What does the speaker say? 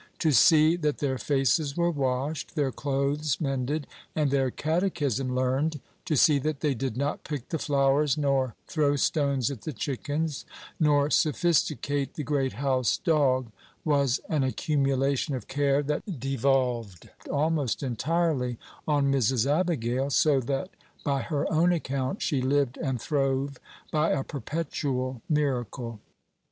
To see that their faces were washed, their clothes mended, and their catechism learned; to see that they did not pick the flowers, nor throw stones at the chickens, nor sophisticate the great house dog, was an accumulation of care that devolved almost entirely on Mrs. Abigail, so that, by her own account, she lived and throve by a perpetual miracle.